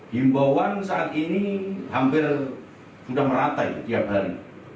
himbauan saat ini hampir sudah merata itu tiap hari